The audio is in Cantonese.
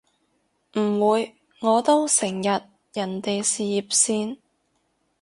唔會，我都成日人哋事業線